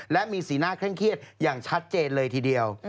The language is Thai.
และมีสีหน้าเคร่งเครียดอย่างชัดเจนเลยทีเดียว